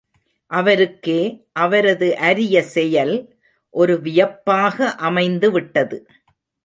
அவருக்கே அவரது அரிய செயல் ஒரு வியப்பாக அமைந்துவிட்டது.